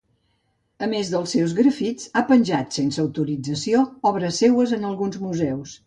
A més dels seus grafits, ha penjat sense autorització obres seues en alguns museus.